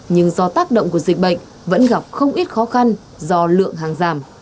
nhưng do tác động của dịch bệnh vẫn gặp không ít khó khăn do lượng hàng giảm